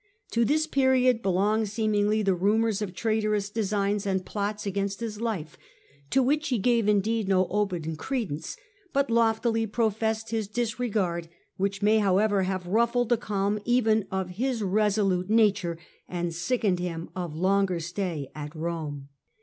To this period belong seem ingly the rumours of traitorous designs and plots against his life, to which he gave indeed no open credence, but loftily professed his disregard, which may, however, have ruffled the calm even of his resolute nature, and sickened him of longer stay at Rome.